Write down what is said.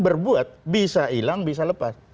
berbuat bisa hilang bisa lepas